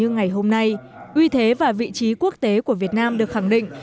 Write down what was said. như ngày hôm nay uy thế và vị trí quốc tế của việt nam được khẳng định